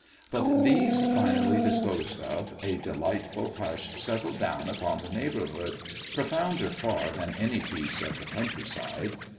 But, these finally disposed of, a delightful hush settled down upon the neighbourhood, profounder far than any peace of the countryside.